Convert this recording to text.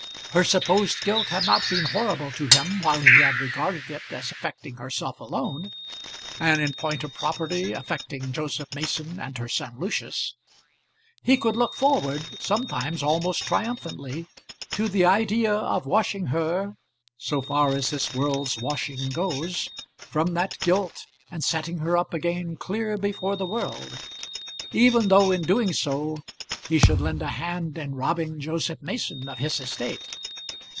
Her supposed guilt had not been horrible to him while he had regarded it as affecting herself alone, and in point of property affecting Joseph Mason and her son Lucius. He could look forward, sometimes almost triumphantly, to the idea of washing her so far as this world's washing goes from that guilt, and setting her up again clear before the world, even though in doing so he should lend a hand in robbing Joseph Mason of his estate.